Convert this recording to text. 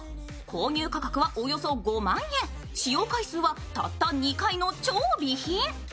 購入価格はおよそ５万円、使用回数はたった２回の超美品。